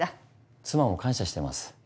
妻も感謝してます。